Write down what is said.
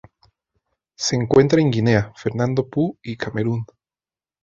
Se encuentra en Guinea, Fernando Poo y Camerún.